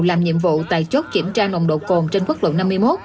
làm nhiệm vụ tại chốt kiểm tra nồng độ cồn trên quốc lộ năm mươi một